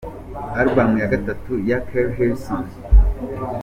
Album ya Gatatu ya Keri Hilson « L.